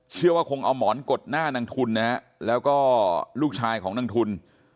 เชื่อว่าคงเอาหมอนกดหน้านางทุนนะฮะแล้วก็ลูกชายของนางทุน